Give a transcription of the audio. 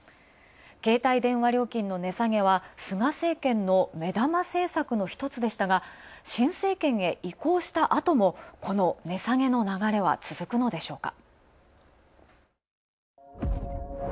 携帯電話料金の値下げは菅政権の目玉政策のひとつでしたが新政権へ移行したあともこの値下げの流れは続いくのでしょうか。